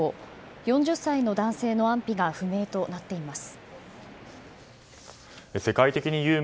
４０歳の男性の安否が不明となっています。